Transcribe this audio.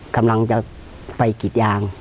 กำลังจะไปกรีดยาง